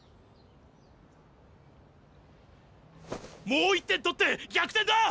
もう１点取って逆転だ！